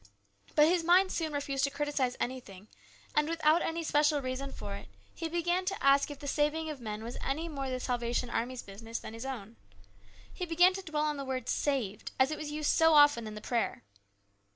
But his mind soon refused to criticise anything, and, without any special reason for it, he began to ask if the saving of men was any more the Salvation Army's business than his own. He began to dwell on the word " saved " as it was used so often in the prayer.